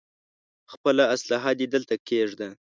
خپله اسلاحه دې دلته کېږده.